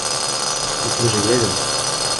— Ведь мы же едем.